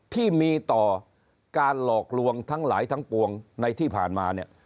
ที่มีต่อการหลอกลวงทั้งหลายทั้งปวงในที่ผ่านมาเนี่ย